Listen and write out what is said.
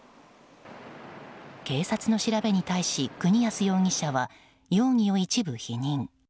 警察の調べに対し国安容疑者は容疑を一部否認。